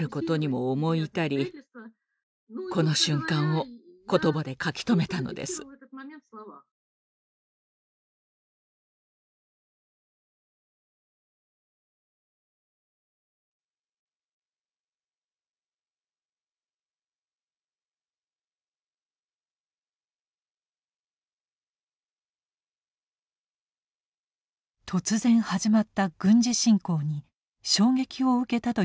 突然始まった軍事侵攻に衝撃を受けたという俳人がいました。